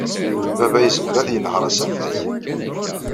Baba yezmer ad yenheṛ asafag.